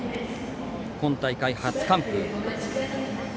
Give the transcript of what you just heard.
今大会初完封。